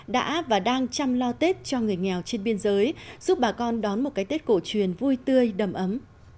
đã và đang chăm lo tết cho người nghèo trên biên giới giúp bà con đón một cái tết cổ truyền vui tươi đầm ấm